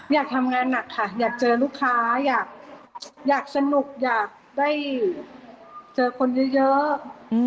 อยากทำงานหนักค่ะอยากเจอลูกค้าอยากสนุกอยากได้เจอคนเยอะ